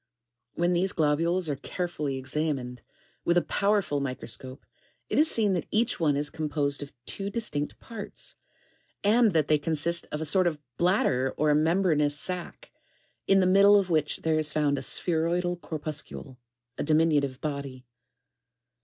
[ When these globules are carefully examined, with a powerful microscope, it is seen that each one is composed of two distinct parts, and that they consist of a sort of bladder or membranous sack, in the middle of which there is found a spheroidal corpus cule, — (a diminutive body.)